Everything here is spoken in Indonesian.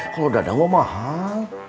kalau dadang mah mahal